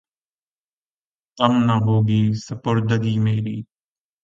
کم نہ ہو گی سپردگی میری